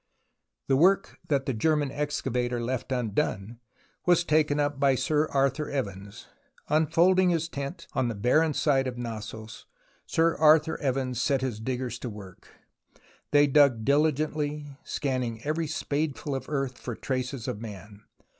The work that the German excavator left undone was taken up by Sir Arthur Evans. Unfolding his tent on the barren site of Knossos, Sir Arthur Evans set his diggers to work. They dug diligently, scan ning every spadeful of earth for traces of man.